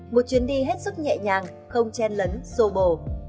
một chuyến đi hết sức nhẹ nhàng không chen lấn sô bồ